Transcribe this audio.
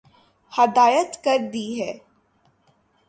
ہدایت کردی ہے